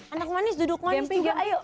anak manis duduk manis juga